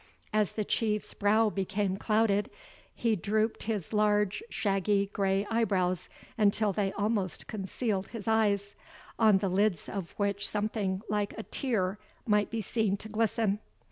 As the Chief's brow became clouded, he drooped his large shaggy grey eyebrows until they almost concealed his eyes, on the lids of which something like a tear might be seen to glisten.